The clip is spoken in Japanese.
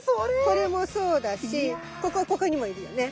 これもそうだしここにもいるよね。